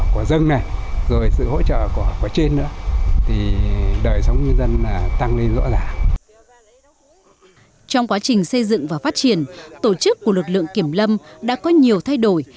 trong quá trình xây dựng và phát triển tổ chức của lực lượng kiểm lâm đã có nhiều thay đổi